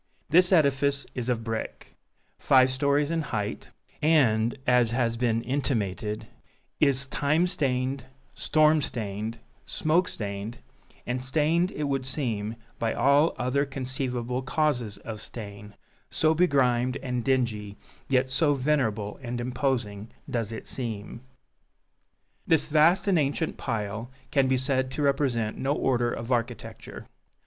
This edifice is of brick, five stories in height, and, as has been intimated, is time stained, storm stained, smoke stained and stained, it would seem, by all other conceivable causes of stain, so begrimed and dingy, yet so venerable and imposing, does it seem. This vast and ancient pile can be said to represent no order of architecture.